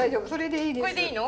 それでいいです。